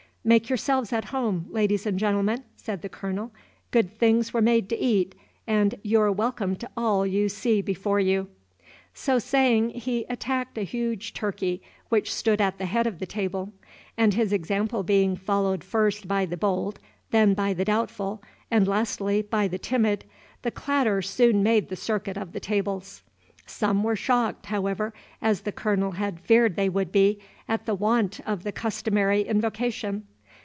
"Make yourselves at home, ladies and gentlemen," said the Colonel; "good things were made to eat, and you're welcome to all you see before you." So saying he attacked a huge turkey which stood at the head of the table; and his example being followed first by the bold, then by the doubtful, and lastly by the timid, the clatter soon made the circuit of the tables. Some were shocked, however, as the Colonel had feared they would be, at the want of the customary invocation.